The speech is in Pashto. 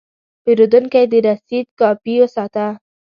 پیرودونکی د رسید کاپي وساته.